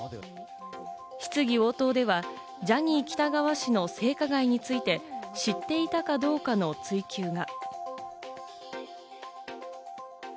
質疑応答ではジャニー喜多川氏の性加害について、知っていたかどうかの追及が。